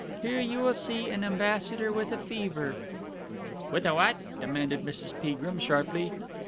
Here you will see an ambassador with a fever....'" "With a what?" demanded Mrs. Peagrim sharply.